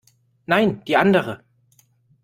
Nein, die andere.